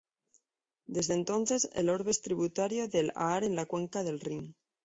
Desde entonces el Orbe es tributario del Aar en la cuenca del Rin.